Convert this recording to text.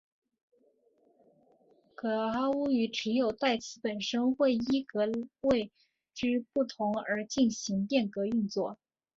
噶哈巫语只有代词本身会依格位之不同而进行变格运作。